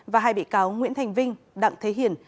và hai bị cáo nguyễn thành vinh đặng thế hiển